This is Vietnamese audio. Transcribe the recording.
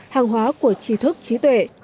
hàng hóa của trí thức trí tuệ